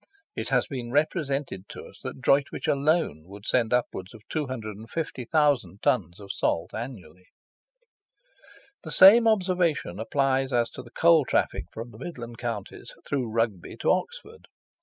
It has been represented to us that Droitwich alone would send upwards of 250,000 tons of salt annually. The same observation applies as to the coal traffic from the Midland Counties through Rugby to Oxford.